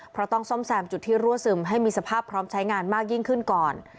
เพราะต้องซ่อมแซมจุดที่รั่วซึมให้มีสภาพพร้อมใช้งานมากยิ่งขึ้นก่อน